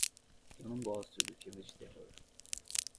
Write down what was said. Eu não gosto de filmes de terror.